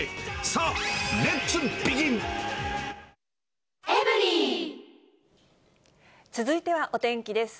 さあ、続いてはお天気です。